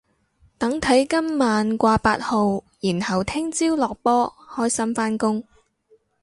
等睇今晚掛八號然後聽朝落波開心返工